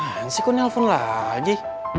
masih kok nelfon lagi